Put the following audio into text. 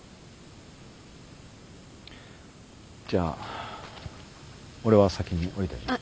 じゃあ俺は先に下りてる。